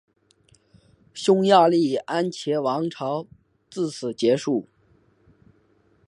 匈牙利安茄王朝自此结束。